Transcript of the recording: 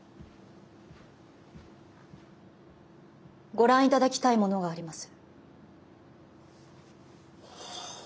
ご覧いただきたいものがあります。